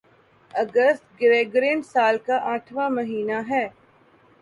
اگست Gregorian سال کا آٹھواں مہینہ ہے